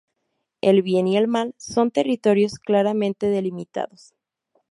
El bien y el mal son territorios claramente delimitados.